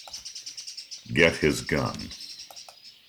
Get his gun!